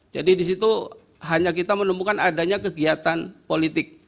jadi di situ hanya kita menemukan adanya kegiatan politik